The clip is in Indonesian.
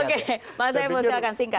oke bang seifo silahkan singkat